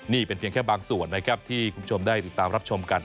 นี่เป็นเพียงแค่บางส่วนนะครับที่คุณผู้ชมได้ติดตามรับชมกัน